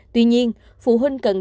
tuy nhiên phụ huynh cần đảm bảo cung cấp